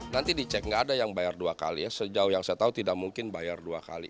nanti dicek nggak ada yang bayar dua kali ya sejauh yang saya tahu tidak mungkin bayar dua kali